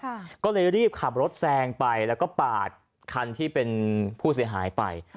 ก็เลยรีบขับรถแซงไปแล้วก็ปาดคันที่เป็นผู้เสียหายไป